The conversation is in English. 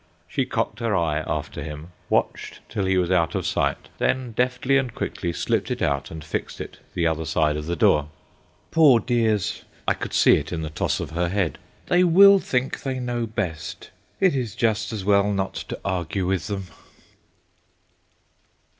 She cocked her eye after him, watched till he was out of sight, then deftly and quickly slipped it out and fixed it the other side of the door. "Poor dears" (I could see it in the toss of her head); "they will think they know best; it is just as well not to argue with them."